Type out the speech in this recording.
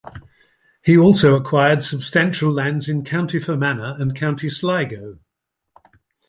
He also acquired substantial lands in County Fermanagh and County Sligo.